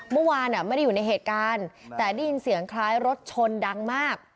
เมื่อวานไม่ได้อยู่ในเหตุการณ์แต่ได้ยินเสียงคล้ายรถชนดังมาก